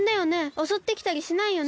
おそってきたりしないよね？